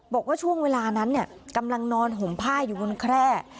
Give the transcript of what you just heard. บอกว่าช่วงเวลานั้นกำลังนอนห่มผ้าอยู่บนแคร่